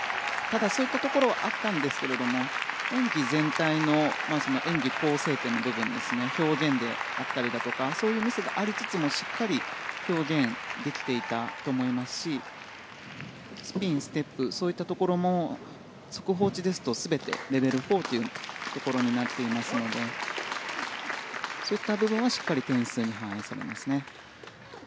ただ、そういったところはあったんですけれど演技全体の演技構成点の部分ですね表現であったりだとかそういうミスがありつつもしっかり表現できていたと思いますしスピン、ステップそういったところも速報値ですと全てレベル４というところになっていますのでそういった部分はしっかり点数に反映されますね。